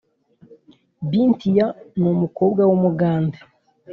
Bintiya numukobwa wumugande